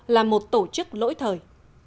là một tổ chức lỗi thời